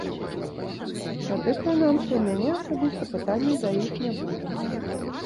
Тады прынамсі ў мяне асабіста пытанняў да іх не будзе.